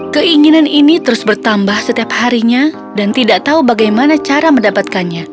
keinginan ini terus bertambah setiap harinya dan tidak tahu bagaimana cara mendapatkannya